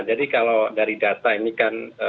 jadi kalau dari data ini kan